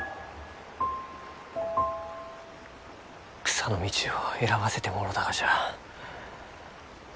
草の道を選ばせてもろうたがじゃ。